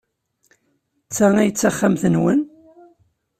D ta ay d taxxamt-nwen?